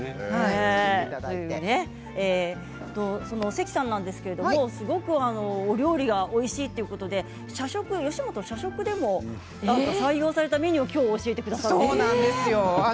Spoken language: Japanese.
関さんですが、すごく料理がおいしいということで吉本の社食でも採用されたメニューをきょう教えてくださると。